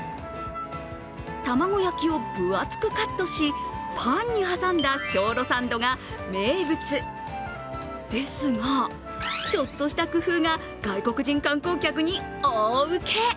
玉子焼を分厚くカットしパンに挟んだ松露サンドが名物ですが、ちょっとした工夫が外国人観光客の大うけ。